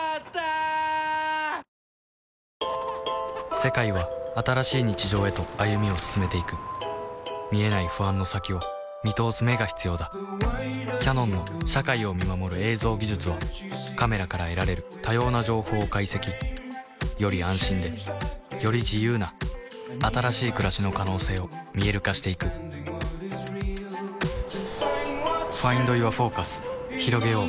世界は新しい日常へと歩みを進めていく見えない不安の先を見通す眼が必要だキヤノンの社会を見守る映像技術はカメラから得られる多様な情報を解析より安心でより自由な新しい暮らしの可能性を見える化していくひろげよう